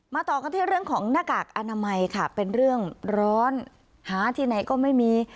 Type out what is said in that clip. ต่อกันที่เรื่องของหน้ากากอนามัยค่ะเป็นเรื่องร้อนหาที่ไหนก็ไม่มี